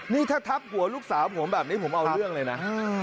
นี่ถ้าทับหัวลูกสาวผมแบบนี้ผมเอาเรื่องเลยนะ